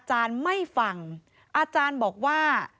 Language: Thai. อาจารย์บอกว่า